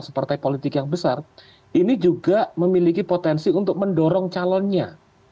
sebagai partai politik yang besar ini juga memiliki potensi untuk mendorong calonnya